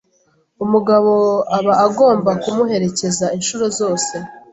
umugabo aba agomba kumuherekeza inshuro zose